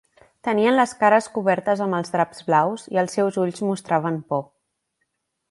Tenien les cares cobertes amb els draps blaus, i els seus ulls mostraven por.